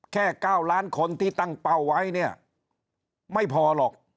แค่๙ล้านคนที่ตั้งเป้าไว้เนี่ยไม่พอหรอก